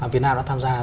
việt nam đã tham gia